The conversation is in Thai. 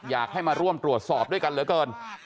อยากให้มาร่วมตรวจสอบด้วยกันเหลือเกิน